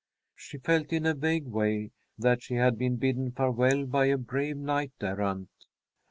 She felt, in a vague way, that she had been bidden farewell by a brave knight errant.